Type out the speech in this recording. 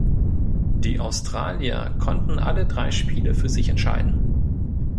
Die Australier konnten alle drei Spiele für sich entscheiden.